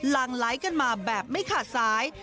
หลังไลค์กันมาแบบไม่ขาดสาย